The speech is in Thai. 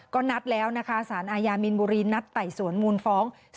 ก็นัดแล้วนะคะสารอาญามีนบุรีนัดไต่สวนมูลฟ้อง